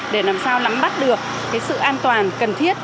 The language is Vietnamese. để làm sao nắm bắt được cái sự an toàn cần thiết